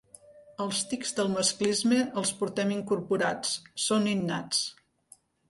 Els tics del masclisme els portem incorporats, són innats.